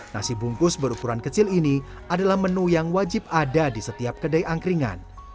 nasi bungkus berukuran kecil ini adalah menu yang wajib ada di setiap kedai angkringan